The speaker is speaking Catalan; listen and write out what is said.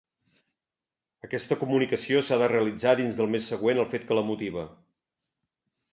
Aquesta comunicació s'ha de realitzar dins del mes següent al fet que la motiva.